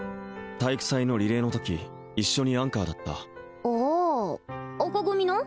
体育祭のリレーのとき一緒にアンカーだったああ赤組の？